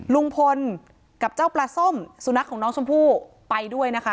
ลุงพลกับเจ้าปลาส้มสุนัขของน้องชมพู่ไปด้วยนะคะ